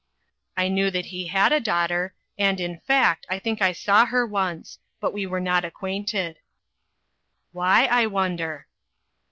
" I knew that he had a daughter, and, in fact, I think I saw her once ; but we were not acquainted." "Why, I wonder?'